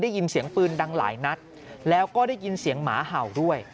ได้ยินเสียงปืนดังหลายนัดแล้วก็ได้ยินเสียงหมาเห่าด้วย